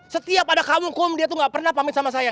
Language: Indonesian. setiap ada kamu kum dia tuh gak pernah pamit sama saya